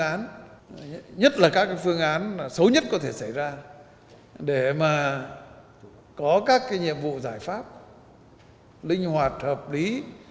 án nhất là các phương án xấu nhất có thể xảy ra để mà có các nhiệm vụ giải pháp linh hoạt hợp lý